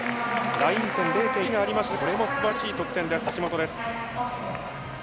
ライン減点０．１がありましたがこれもすばらしい得点、橋本です。